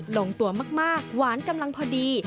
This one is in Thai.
ลงตัวมากหวานกำลังพอดี